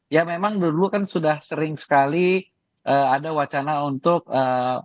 ya memang dulu kan sudah sering sekali ada wacana untuk